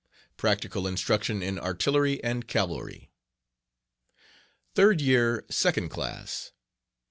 Practical Instruction in Artillery and Cavalry. Third Year Second Class.